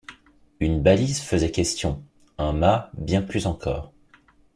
Une balise faisait question ; un mât bien plus encore.